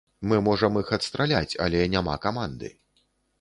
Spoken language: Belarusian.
Мы можам іх адстраляць, але няма каманды.